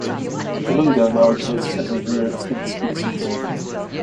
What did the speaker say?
The Lungdo now exist as a near-extinct species.